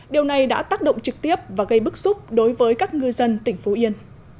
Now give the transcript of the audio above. điều này đã tác động trực tiếp và gây bức xúc đối với các ngư dân tỉnh phú yên